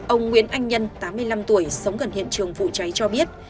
ông nguyễn anh nhân tám mươi năm tuổi sống gần hiện trường vụ cháy cho biết